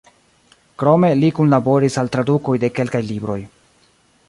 Krome li kunlaboris al tradukoj de kelkaj libroj.